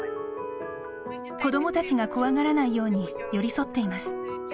子どもたちが怖がらないように寄り添っています。